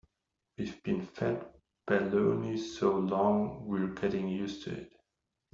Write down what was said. We've been fed baloney so long we're getting used to it.